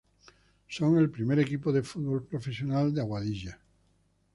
Son el primer equipo de fútbol profesional de Aguadilla.